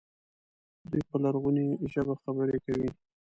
دوی په لرغونې ژبه خبرې کوي.